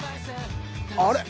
あれ？